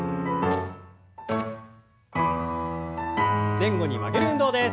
前後に曲げる運動です。